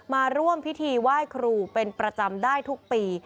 มาร่วมพิธีไหว้ครูเป็นประจำได้ทุกปี